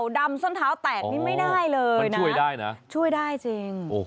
ขาวดำส้นเท้าแตกนี่ไม่ได้เลยนะช่วยได้จริง